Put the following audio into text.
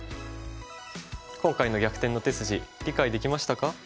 今回の「逆転の手筋」理解できましたか？